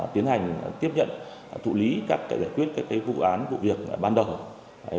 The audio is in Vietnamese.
tiến hành tiếp nhận thụ lý các giải quyết các vụ án vụ việc ban đầu